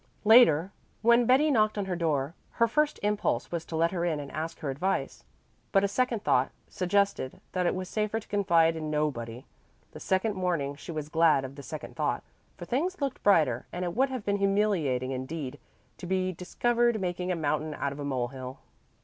Later, when Betty knocked on her door, her first impulse was to let her in and ask her advice. But a second thought suggested that it was safer to confide in nobody. The next morning she was glad of the second thought, for things looked brighter, and it would have been humiliating indeed to be discovered making a mountain out of a mole hill.